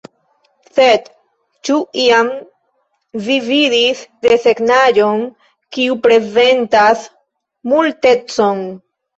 Sed, ĉu iam vi vidis desegnaĵon kiu reprezentas Multecon?